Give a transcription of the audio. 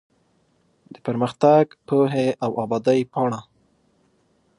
د پرمختګ ، پوهې او ابادۍ پاڼه